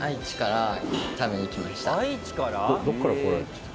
どこから来られました？